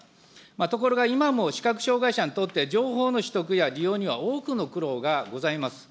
ところが今も視覚障害者にとって情報の取得や利用には多くの苦労がございます。